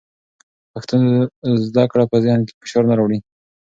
پښتو زده کړه په ذهن فشار نه راوړي.